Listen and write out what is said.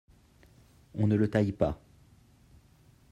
On ne le taille pas.